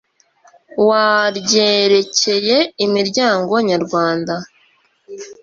wa ryerekeye imiryango nyarwanda